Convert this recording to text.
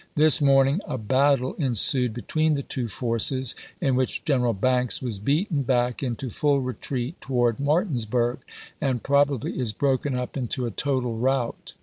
This morning a battle ensued between the two forces, in which General Banks was beaten back into fuU retreat toward Martin sburg, and probably is broken up into a total rout.